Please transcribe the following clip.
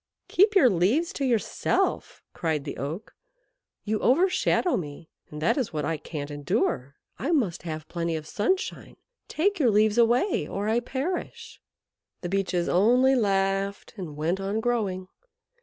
"Keep your leaves to yourself," cried the Oak; "you overshadow me, and that is what I can't endure. I must have plenty of sunshine. Take your leaves away or I perish." The Beeches only laughed and went on growing.